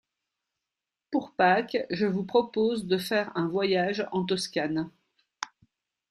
Pour Pâques, je vous propose de faire un voyage en Toscane.